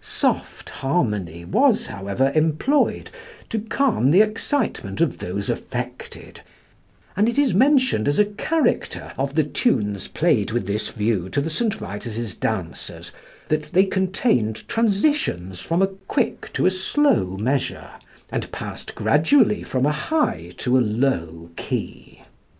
Soft harmony was, however, employed to calm the excitement of those affected, and it is mentioned as a character of the tunes played with this view to the St. Vitus's dancers, that they contained transitions from a quick to a slow measure, and passed gradually from a high to a low key.